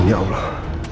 amin ya allah